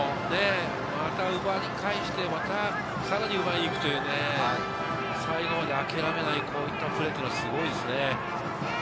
また奪い返して、またさらに奪いに行くという、最後まであきらめない攻撃、プレーってすごいですね。